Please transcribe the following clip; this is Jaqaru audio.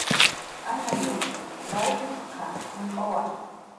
"Anhariyun waytp""qa janq'uwa"